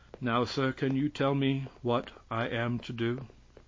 Now, sir, can you tell me what I am to do?